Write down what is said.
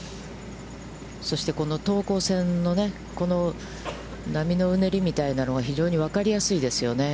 そして、この等高線の、この波のうねりみたいなのが、非常に分かりやすいですよね。